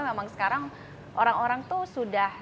memang sekarang orang orang tuh sudah